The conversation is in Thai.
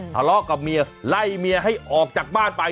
ทะเลาะกับเมียไล่เมียให้ออกจากบ้านไป